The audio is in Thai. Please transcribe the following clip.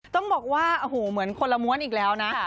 ต้องบอกว่าโอ้โหเหมือนคนละม้วนอีกแล้วนะ